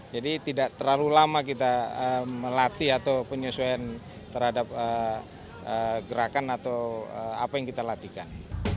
jadi tidak terlalu lama kita melatih atau penyesuaian terhadap gerakan atau apa yang kita latihkan